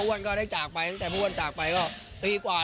พ่ออ้วนก็ได้จากไปตั้งแต่พ่ออ้วนจากไปก็ปีกว่า